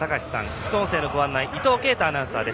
副音声のご案内伊藤慶太アナウンサーです。